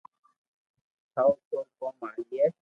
ٺاو تو ڪوم ھالئي